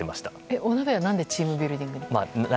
お鍋は何でチームビルディング？